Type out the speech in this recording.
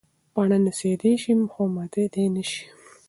پاڼه نڅېدی شي خو ماتېدی نه شي.